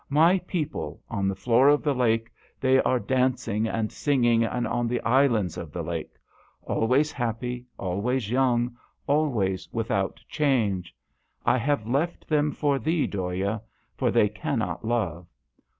My people on the floor of the lake they are dancing and singing, and on the islands of the lake ; always happy, always young, always without change. I have left them for thee, Dhoya, for they cannot love.